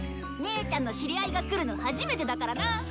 姉ちゃんの知り合いが来るの初めてだからな。